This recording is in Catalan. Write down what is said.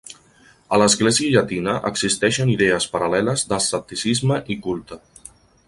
A l'Església Llatina, existeixen idees paral·leles d'asceticisme i culte.